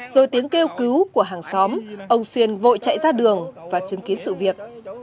rồi tiếng kêu cứu của hàng xóm ông xuyên vội chạy ra đường và chứng kiến sự việc